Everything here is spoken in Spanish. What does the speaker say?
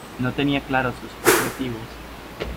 No tenía claro sus objetivos.